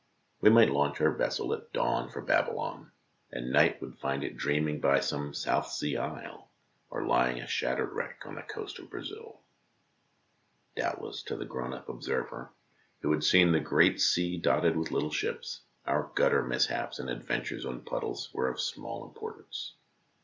We might launch our vessel at dawn for Babylon, and night would find it dreaming by some South Sea isle, or lying a shattered wreck on the coast of Brazil. Doubtless to the grown up observer, who 40 THE DAY BEFORE YESTERDAY had seen the great sea dotted with little ships, our gutter mishaps and adventures on puddles were of small importance.